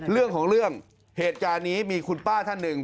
เรื่องของเรื่องเหตุการณ์นี้มีคุณป้าท่านหนึ่ง